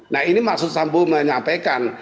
nah ini maksud sambu menyampaikan